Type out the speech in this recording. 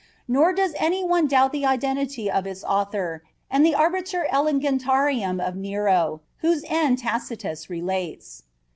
Nor does anyone doubt the identity of its author and the Arbiter Elegantiarum of Nero, whose end Tacitus relates."